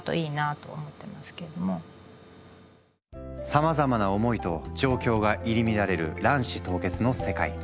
さまざまな思いと状況が入り乱れる卵子凍結の世界。